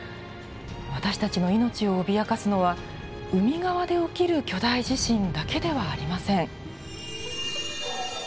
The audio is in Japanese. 私たちの命を脅かすのは海側で起きる巨大地震だけではありません。